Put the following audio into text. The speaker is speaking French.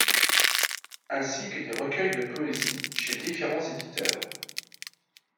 Ainsi que des recueils de poésie, chez différents éditeurs.